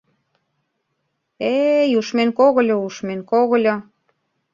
Э-эй, ушмен когыльо... ушмен когыльо!..